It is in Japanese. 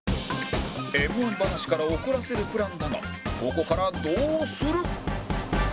Ｍ−１ 話から怒らせるプランだがここからどうする？